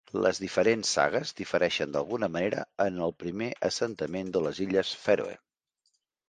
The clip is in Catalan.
Les diferents sagues difereixen d'alguna manera en el primer assentament de les Illes Fèroe.